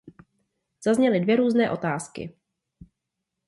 Zazněly dvě různé otázky.